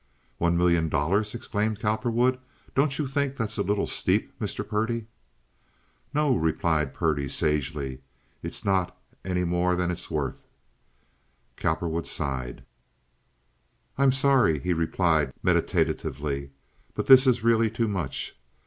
"One million dollars!" exclaimed Cowperwood. "Don't you think that's a little steep, Mr. Purdy?" "No," replied Purdy, sagely. "It's not any more than it's worth." Cowperwood sighed. "I'm sorry," he replied, meditatively, "but this is really too much.